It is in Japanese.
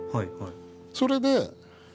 それで。